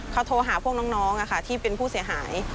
เขาโทรหาพวกน้องที่เป็นผู้เสียหาย